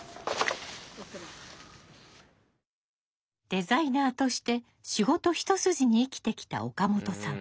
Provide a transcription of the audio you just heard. デザイナーとして仕事一筋に生きてきた岡本さん。